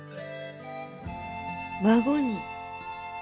孫に？